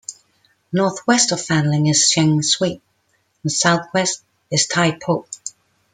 Northwest of Fanling is Sheung Shui and southeast is Tai Po.